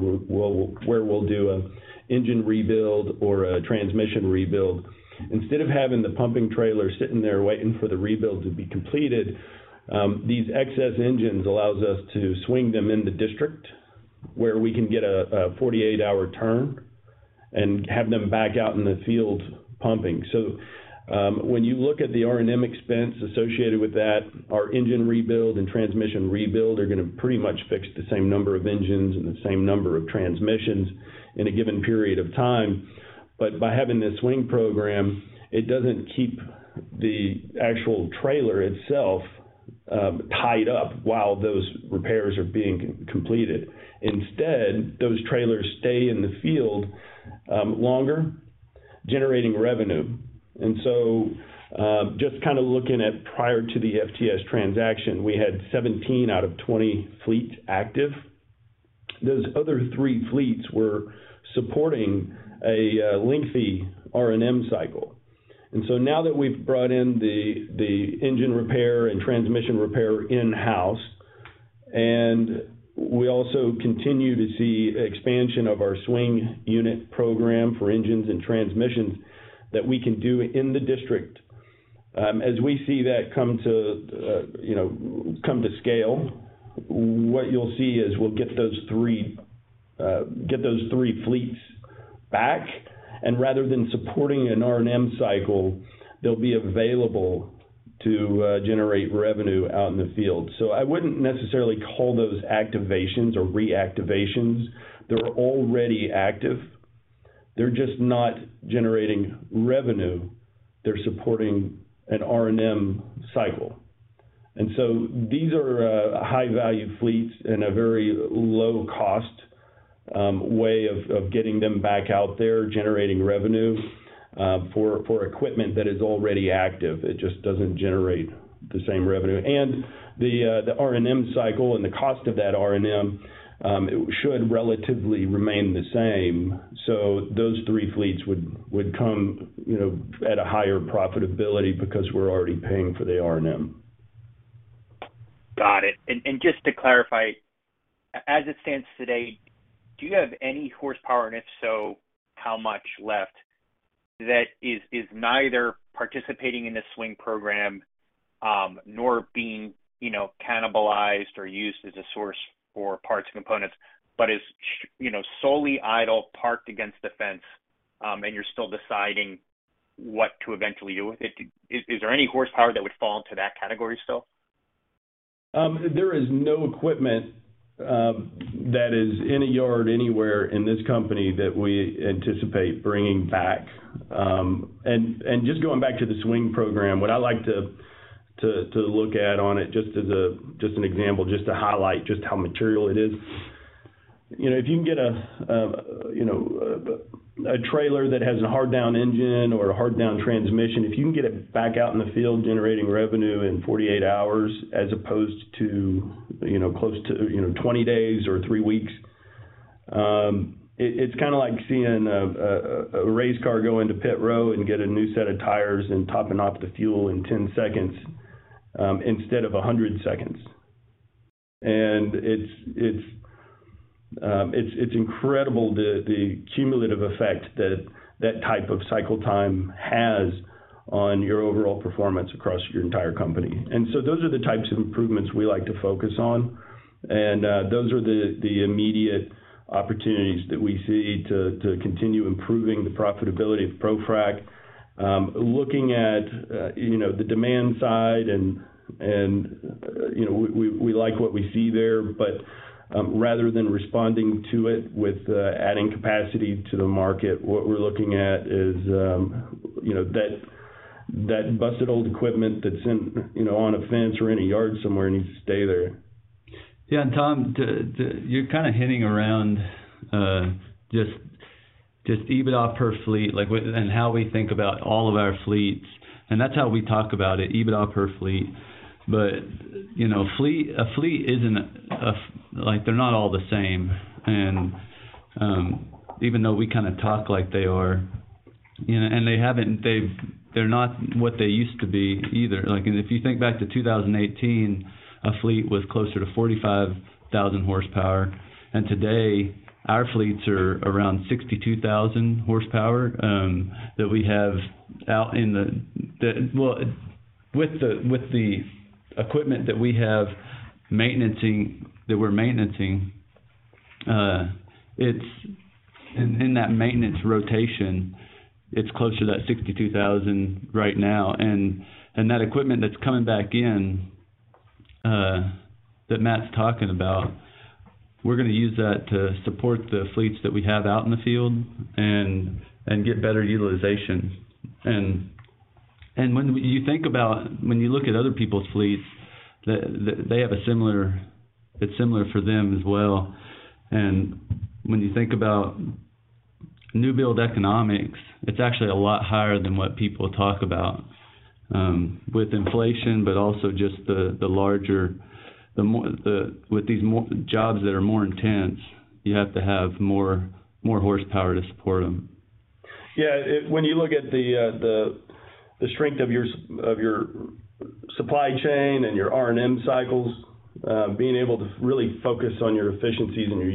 we'll do an engine rebuild or a transmission rebuild. Instead of having the pumping trailer sitting there waiting for the rebuild to be completed, these excess engines allow us to swing them in the district where we can get a 48-hour turn and have them back out in the field pumping. So, when you look at the R&M expense associated with that, our engine rebuild and transmission rebuild are gonna pretty much fix the same number of engines and the same number of transmissions in a given period of time. But by having this swing program, it doesn't keep the actual trailer itself tied up while those repairs are being completed. Instead, those trailers stay in the field longer, generating revenue. Just kinda looking at prior to the FTS transaction, we had 17 out of 20 fleets active. Those other three fleets were supporting a lengthy R&M cycle. Now that we've brought in the engine repair and transmission repair in-house, and we also continue to see expansion of our swing unit program for engines and transmissions that we can do in the district. As we see that come to you know come to scale, what you'll see is we'll get those three fleets back, and rather than supporting an R&M cycle, they'll be available to generate revenue out in the field. I wouldn't necessarily call those activations or reactivations. They're already active. They're just not generating revenue. They're supporting an R&M cycle. These are high-value fleets and a very low cost way of getting them back out there generating revenue for equipment that is already active. It just doesn't generate the same revenue. The R&M cycle and the cost of that R&M, it should relatively remain the same. Those three fleets would come, you know, at a higher profitability because we're already paying for the R&M. Got it. Just to clarify, as it stands today, do you have any horsepower, and if so, how much left that is neither participating in the swing program, nor being, you know, cannibalized or used as a source for parts and components, but is you know, solely idle, parked against a fence, and you're still deciding what to eventually do with it? Is there any horsepower that would fall into that category still? There is no equipment that is in a yard anywhere in this company that we anticipate bringing back. Just going back to the swing program, what I like to look at on it, just as an example, just to highlight just how material it is, you know, if you can get a, you know, a trailer that has a hard down engine or a hard down transmission, if you can get it back out in the field generating revenue in 48 hours as opposed to, you know, close to, you know, 20 days or 3 weeks, it's kinda like seeing a race car go into pit row and get a new set of tires and topping off the fuel in 10 seconds, instead of 100 seconds. It's incredible the cumulative effect that that type of cycle time has on your overall performance across your entire company. Those are the types of improvements we like to focus on. Those are the immediate opportunities that we see to continue improving the profitability of ProFrac. Looking at you know the demand side and you know we like what we see there, but rather than responding to it with adding capacity to the market, what we're looking at is you know that busted old equipment that's in you know on a fence or in a yard somewhere needs to stay there. Tom, you're kinda hinting around, just EBITDA per fleet, like with and how we think about all of our fleets, and that's how we talk about it, EBITDA per fleet. You know, a fleet isn't like, they're not all the same and, even though we kinda talk like they are, you know? They're not what they used to be either. If you think back to 2018, a fleet was closer to 45,000 horsepower, and today, our fleets are around 62,000 horsepower that we have with the equipment that we have maintaining, that we're maintaining, it's in that maintenance rotation, it's close to that 62,000 right now. that equipment that's coming back in that Matt's talking about, we're gonna use that to support the fleets that we have out in the field and get better utilization. When you look at other people's fleets, they have a similar, it's similar for them as well. When you think about new build economics, it's actually a lot higher than what people talk about with inflation, but also just with these more intense jobs, you have to have more horsepower to support them. Yeah. When you look at the strength of your supply chain and your R&M cycles, being able to really focus on your efficiencies and your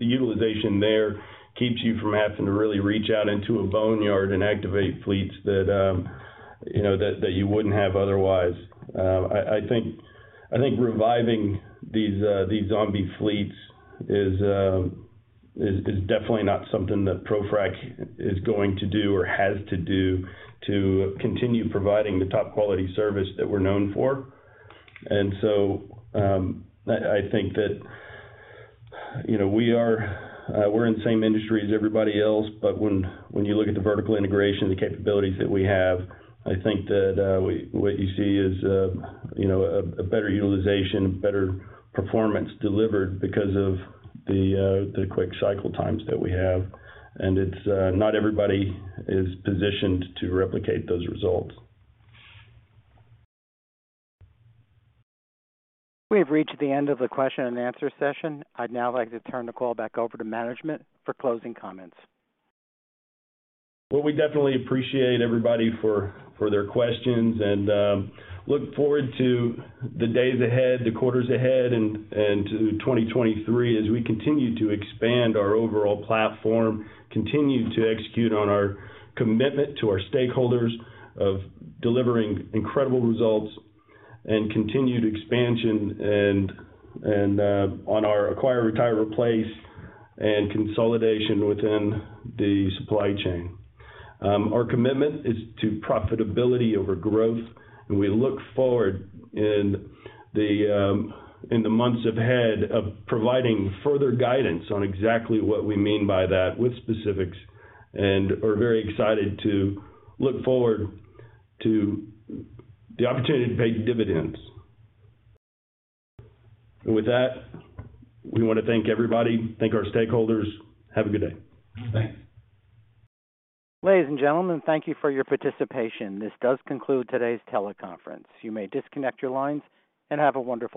utilization there keeps you from having to really reach out into a boneyard and activate fleets that you know that you wouldn't have otherwise. I think reviving these zombie fleets is definitely not something that ProFrac is going to do or has to do to continue providing the top quality service that we're known for. I think that, you know, we're in the same industry as everybody else, but when you look at the vertical integration, the capabilities that we have, I think that what you see is, you know, a better utilization, better performance delivered because of the quick cycle times that we have. It's not everybody is positioned to replicate those results. We have reached the end of the question and answer session. I'd now like to turn the call back over to management for closing comments. Well, we definitely appreciate everybody for their questions and look forward to the days ahead, the quarters ahead and to 2023 as we continue to expand our overall platform, continue to execute on our commitment to our stakeholders of delivering incredible results, and continued expansion and on our acquire, retire, replace and consolidation within the supply chain. Our commitment is to profitability over growth, and we look forward in the months ahead of providing further guidance on exactly what we mean by that with specifics and are very excited to look forward to the opportunity to pay dividends. With that, we wanna thank everybody, thank our stakeholders. Have a good day. Thanks. Ladies and gentlemen, thank you for your participation. This does conclude today's teleconference. You may disconnect your lines and have a wonderful day.